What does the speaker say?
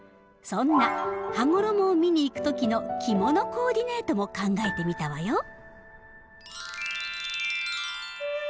そんな「羽衣」を見に行く時の着物コーディネートも考えてみたわよ。